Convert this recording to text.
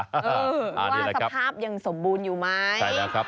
ว่าสภาพยังสมบูรณ์อยู่ไหมอ๋อนี่แหละครับ